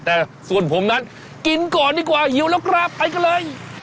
แต่ส่วนผมนั้นกินก่อนดีกว่าหิวแล้วครับไปกันเลย